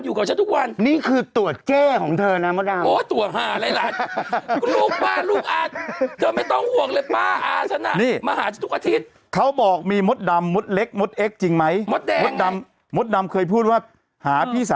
อยู่กับฉันทุกวัน